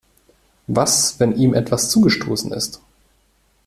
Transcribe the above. Was, wenn ihm etwas zugestoßen ist?